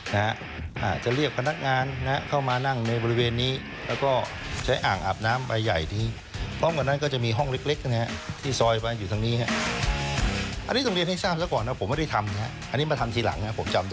นี่ครับซึ่งมีตั้งห้องประเภทห้องเล็กอยู่นี่๑๒๓๔มีอยู่๔ห้อง